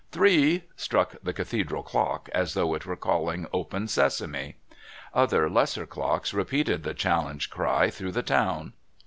"Three" struck the Cathedral clock, as though it were calling "Open Sesame." Other lesser clocks repeated the challenge cry through the town.